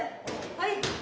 はい。